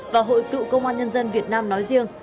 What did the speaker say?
và hội cựu công an nhân dân việt nam nói riêng